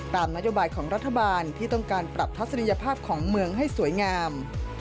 ตามนโยบายของรัฐบาลที่ต้องการปรับทัศนียภาพของเมืองให้สวยงาม